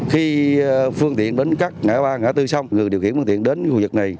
khi phương tiện đến các ngã ba ngã tư sông người điều khiển phương tiện đến khu vực này